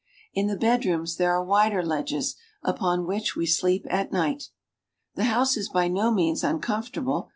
In the bedrooms there are wider ledges, upon which we sleep at night. The house is by no means uncomfortable.